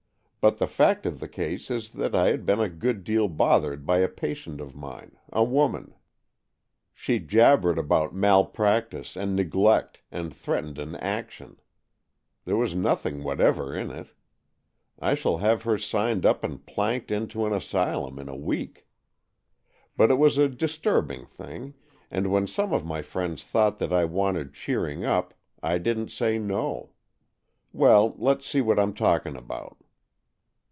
But the fact of the case is that I had been a good deal bothered by a patient of mine — a woman. She jabbered about malpractice 112 AN EXCHANGE OF SOULS and neglect, and threatened an action. There was nothing whatever in it. I shall have her signed up and planked into an asylum in a week. But it was a disturbing thing, and when some of my friends thought that I wanted cheering up, I didn't say no. Well, let's see what I'm talking about."